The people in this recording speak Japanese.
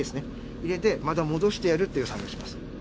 入れてまた戻してやるっていう作業をします。